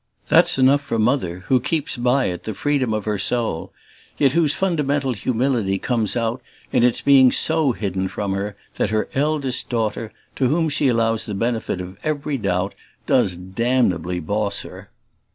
That's enough for Mother, who keeps by it the freedom other soul; yet whose fundamental humility comes out in its being so hidden from her that her eldest daughter, to whom she allows the benefit of every doubt, does damnably boss her.